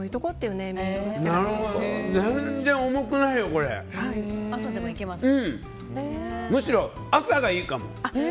うん、むしろ朝がいいかも。